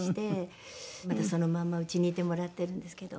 まだそのまんまうちにいてもらってるんですけど。